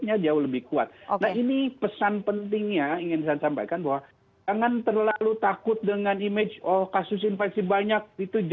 nah ini pesan pentingnya ingin saya sampaikan bahwa jangan terlalu takut dengan image kasus infeksi banyak